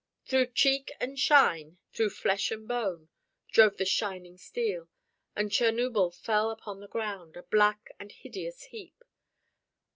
Through cheek and chine, through flesh and bone, drove the shining steel, and Chernuble fell upon the ground, a black and hideous heap.